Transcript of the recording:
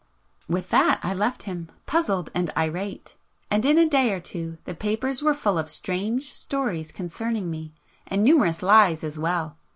With that I left him, puzzled and irate,—and in a day or two the papers were full of strange stories concerning me, and numerous lies as well.